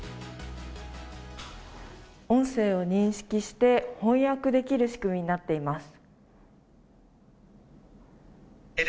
音声を認識して翻訳できる仕組みになっています。